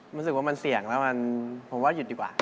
รู้สึกว่ามันเสี่ยงแล้วผมว่าหยุดดีกว่า